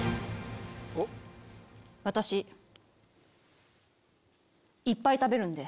私いっぱい食べるんで。